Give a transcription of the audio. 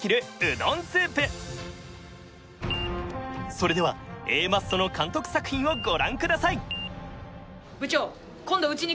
それではＡマッソの監督作品をご覧ください